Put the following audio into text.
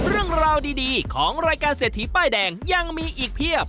เรื่องราวดีของรายการเศรษฐีป้ายแดงยังมีอีกเพียบ